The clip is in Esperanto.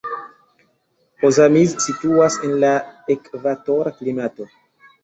Ozamiz situas en la ekvatora klimato.